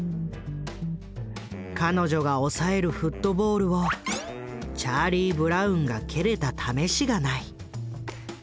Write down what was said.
彼女が押さえるフットボールをチャーリー・ブラウンが蹴れたためしがない。